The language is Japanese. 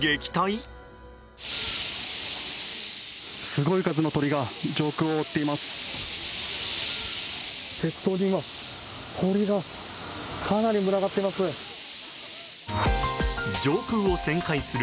すごい数の鳥が上空を覆っています。